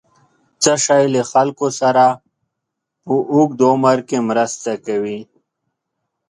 څه شی له خلکو سره په اوږد عمر کې مرسته کوي؟